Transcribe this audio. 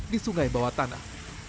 di sungai bawah tanah